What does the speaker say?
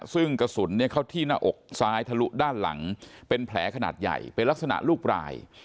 ซึ่งกระสุนเข้าที่หน้าอกซ้ายทะลุด้านหลังเป็นแผลขนาดใหญ่เป็นลักษณะลูกปลาย